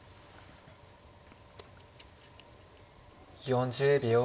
４０秒。